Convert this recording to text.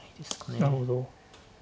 なるほど。